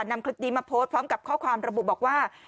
นำคลิปนี้มาโพสต์พร้อมกับข้อความระบุบอกว่า